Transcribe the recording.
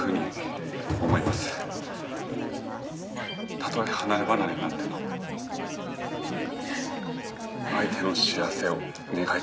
たとえ離れ離れになっても相手の幸せを願い続ける。